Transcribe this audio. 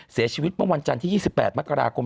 เสียชีวิตเมื่อวันจันทร์ที่๒๘มกราคม